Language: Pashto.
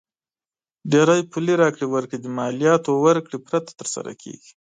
ډېری پولي راکړې ورکړې د مالیاتو ورکړې پرته تر سره کیږي.